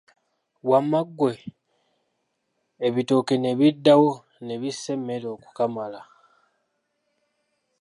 Wamma ggwe, ebitooke n'ebiddawo ne bissa emmere okukamala.